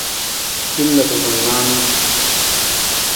Hin ludu na nijanu.